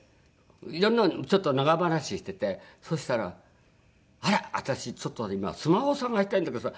いろんなのちょっと長話しててそしたら「あら私ちょっと待って今スマホ捜してるんだけどさ